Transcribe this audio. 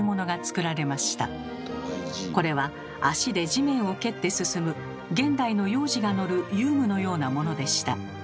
これは足で地面を蹴って進む現代の幼児が乗る遊具のようなものでした。